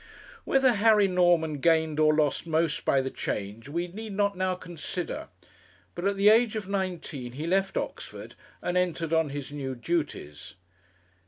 Whether Harry Norman gained or lost most by the change we need not now consider, but at the age of nineteen he left Oxford and entered on his new duties.